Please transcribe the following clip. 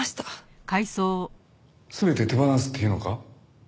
全て手放すって言うのか？